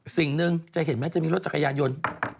สิ่งหนึ่งจะเห็นไหมจะมีรถจักรยานยนต์